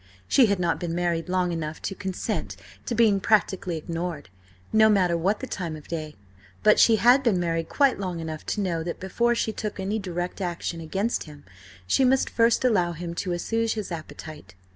She had not been married long enough to consent to being practically ignored, no matter what the time of day, but she had been married quite long enough to know that before she took any direct action against him, she must first allow him to assuage his appetite.